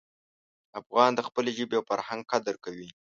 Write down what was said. افغان د خپلې ژبې او فرهنګ قدر کوي.